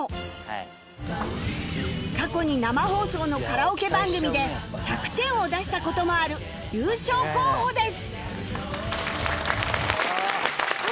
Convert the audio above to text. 過去に生放送のカラオケ番組で１００点を出した事もある優勝候補です